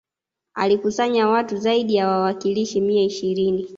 Alikusanya watu zaidi ya wawakilishi mia ishirini